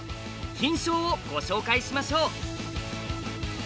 「金将」をご紹介しましょう。